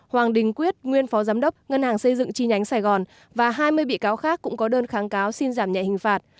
hoàng đình quyết nguyên phó giám đốc ngân hàng xây dựng chi nhánh sài gòn và hai mươi bị cáo khác cũng có đơn kháng cáo xin giảm nhẹ hình phạt